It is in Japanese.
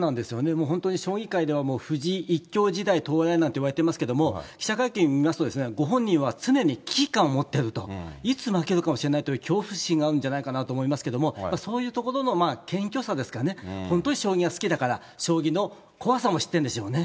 将棋界でももう藤井一強時代到来なんていわれてますけれども、記者会見見ますと、ご本人は常に危機感を持ってると、いつ負けるかもしれないという恐怖心があるのじゃないかと思いますけども、そういうところの謙虚さですかね、本当に将棋が好きだから、将棋の怖さも知ってるんでしょうね。